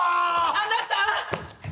あなた！